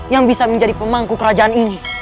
yang bisa menjadi pemangku kerajaan ini